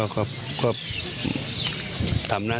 อีกสักครู่เดี๋ยวจะ